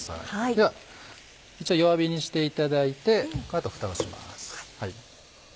では一応弱火にしていただいてあとふたをします。